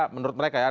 menurut mereka ya